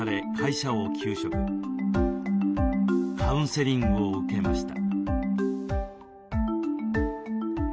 カウンセリングを受けました。